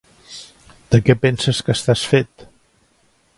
De què penses que estàs fet?